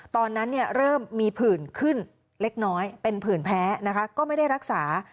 ตอนนั้นเริ่มมีผื่นขึ้นเล็กน้อยเป็นผื่นแพ้นะคะก็ไม่ได้รักษา